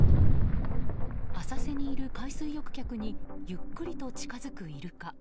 浅瀬にいる海水浴客にゆっくりと近づくイルカ。